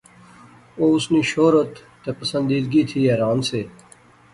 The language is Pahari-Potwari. او اس نی شہرت تہ پسندیدگی تھی حیران سے